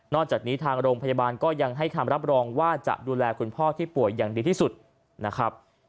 จากนี้ทางโรงพยาบาลก็ยังให้คำรับรองว่าจะดูแลคุณพ่อที่ป่วยอย่างดีที่สุดนะครับ